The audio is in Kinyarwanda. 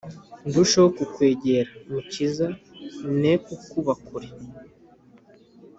Ndusheho kukwegera mukiza ne kukuba kure